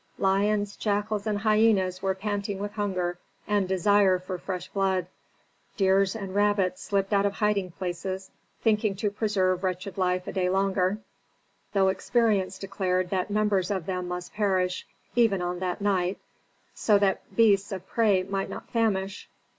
Lions, jackals, and hyenas were panting with hunger and desire for fresh blood; deer and rabbits slipped out of hiding places, thinking to preserve wretched life a day longer, though experience declared that numbers of them must perish, even on that night, so that beasts of prey might not famish.